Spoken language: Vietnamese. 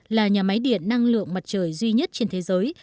là nhà máy điện năng lượng mặt trời duy nhất trên thế giới